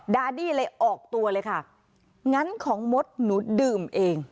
ดาดี้เลยออกตัวเลยค่ะงั้นของมดหนูดื่มเอง